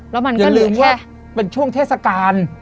อย่าลืมว่าเป็นช่วงเทศกาล